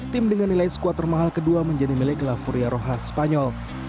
tim dengan nilai squad termahal kedua menjadi milik la furia roja spanyol